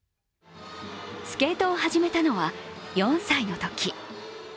スケートを始めたのは４歳のとき。